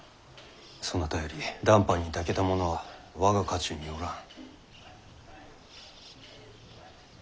そなたより談判にたけた者は我が家中にはおらん。